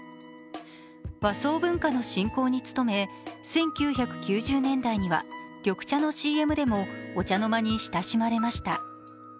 和装文化の振興に努め１９９０年代には緑茶のＣＭでもお茶の間に親しまれました。